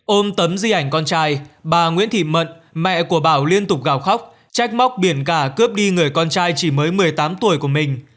ôm tấm di ảnh con trai bà nguyễn thị mận mẹ của bảo liên tục gào khóc check móc biển cả cướp đi người con trai chỉ mới một mươi tám tuổi của mình